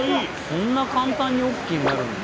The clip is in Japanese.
そんな簡単にＯＫになるんだ。